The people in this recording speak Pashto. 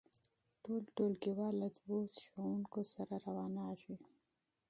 ټول ټولګیوال له دوو استادانو سره روانیږي.